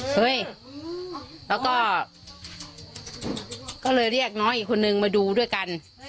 เฮ้ยแล้วก็ก็เลยเรียกน้องอีกคนนึงมาดูด้วยกัน